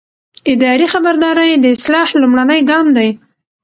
اداري خبرداری د اصلاح لومړنی ګام دی.